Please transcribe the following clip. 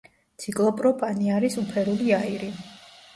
ციკლოპროპანი არის უფერული აირი.